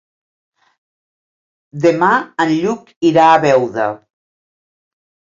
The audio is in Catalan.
Demà en Lluc irà a Beuda.